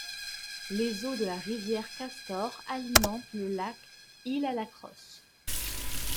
Les eaux de la rivière Castor alimente le lac Île-à-la-Crosse.